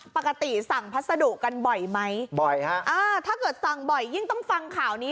ปกติสั่งพัสดุกันบ่อยไหมบ่อยฮะอ่าถ้าเกิดสั่งบ่อยยิ่งต้องฟังข่าวนี้